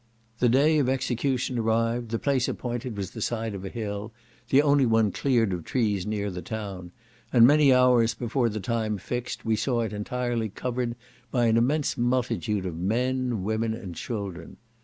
The day of execution arrived; the place appointed was the side of a hill, the only one cleared of trees near the town; and many hours before the time fixed, we saw it entirely covered by an immense multitude of men, women, and children.